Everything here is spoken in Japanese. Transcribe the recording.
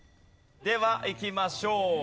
ではいきましょう。